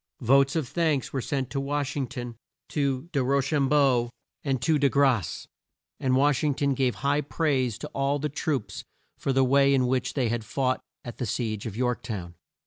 Votes of thanks were sent to Wash ing ton, to De Ro cham beau and De Grasse, and Wash ing ton gave high praise to all the troops for the way in which they had fought at the siege of York town.